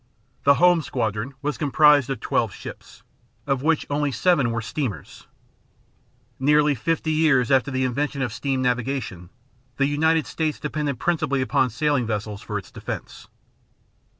The home squadron was composed of twelve ships, of which only seven were steamers! Nearly fifty years after the invention of steam navigation, the United States depended principally upon sailing vessels for its defense.